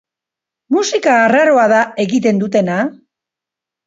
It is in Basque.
Musika arraroa da egiten dutena?